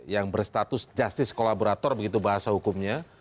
yang berstatus justice kolaborator begitu bahasa hukumnya